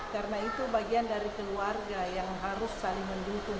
karena itu bagian dari keluarga yang harus saling mendukung